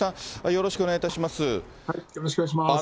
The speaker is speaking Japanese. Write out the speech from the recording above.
よろしくお願いします。